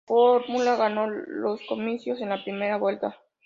La fórmula ganó los comicios en la primera vuelta.